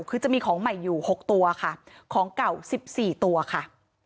คือจะมีของใหม่อยู่๖ตัวค่ะของเก่า๑๔ตัวค่ะ